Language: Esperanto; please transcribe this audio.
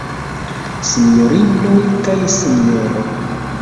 Sinjorinoj kaj Sinjoro.